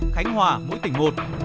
khánh hòa mũi tỉnh một